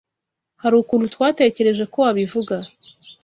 Hari ukuntu twatekereje ko wabivuga.